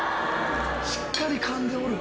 しっかりかんでおる。